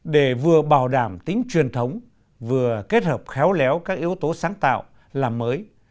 để vừa bảo đảm tính truyền thống vừa kết hợp khéo léo các yếu tố sáng tạo làm mới